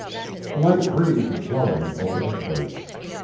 A light breeze was blowing over the place.